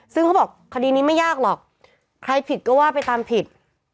ซึ่งเขาบอกคดีนี้ไม่ยากหรอกใครผิดก็ว่าไปตามผิด